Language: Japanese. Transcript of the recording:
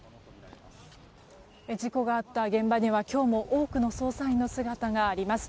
事故があった現場には今日も多くの捜査員の姿があります。